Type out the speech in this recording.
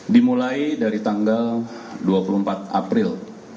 dimulai dari tanggal dua puluh empat april dua ribu dua puluh empat